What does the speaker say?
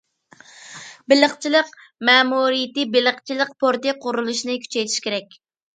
بېلىقچىلىق مەمۇرىيىتى، بېلىقچىلىق پورتى قۇرۇلۇشىنى كۈچەيتىش كېرەك.